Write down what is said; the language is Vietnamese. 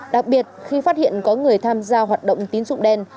đặc biệt khi phát hiện có người tham gia hoạt động tín dụng đen